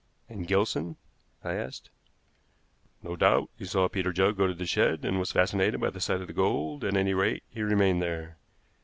"And Gilson?" I asked. "No doubt he saw Peter Judd go to the shed, and was fascinated by the sight of the gold; at any rate, he remained there.